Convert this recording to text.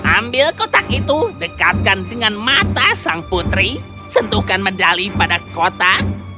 ambil kotak itu dekatkan dengan mata sang putri sentuhkan medali pada kotak